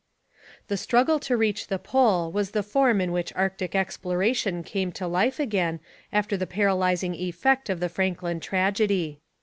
The struggle to reach the Pole was the form in which Arctic exploration came to life again after the paralysing effect of the Franklin tragedy.